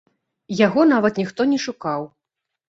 Яго нават ніхто не шукаў.